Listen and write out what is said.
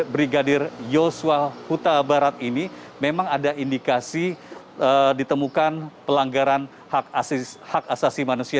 brigadir yosua huta barat ini memang ada indikasi ditemukan pelanggaran hak asasi manusia